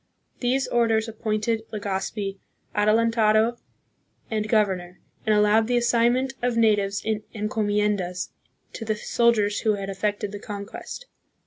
These orders appointed Legazpi adelantado and governor, and allowed the assignment of natives in encomiendas to the soldiers who had effected the conquest.